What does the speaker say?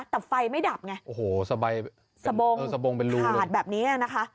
แต่ไฟไม่ดับไงผ่าดแบบนี้นะคะ